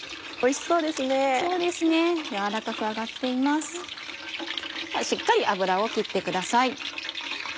しっかり油を切ってください。